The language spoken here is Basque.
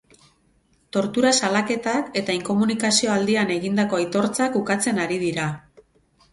Tortura salaketak eta inkomunikazio aldian egindako aitortzak ukatzen ari dira.